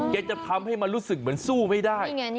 จะทำให้มันรู้สึกเหมือนสู้ไม่ได้